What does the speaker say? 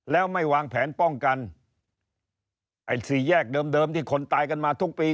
แล้วไม่วางแผนป้องกันไอ้สี่แยกเดิมเดิมที่คนตายกันมาทุกปี